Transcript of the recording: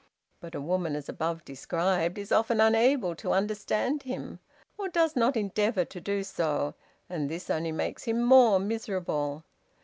But a woman as above described is often unable to understand him, or does not endeavor to do so; and this only makes him more miserable.